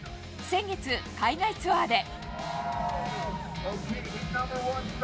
先月、海外ツアーで。